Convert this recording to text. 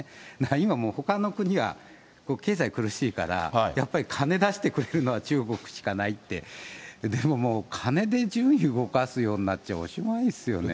今、もうほかの国は経済苦しいから、やっぱり金出してくれるのは中国しかないって、でももう、金で順位を動かすようになっちゃ、おしまいですよね。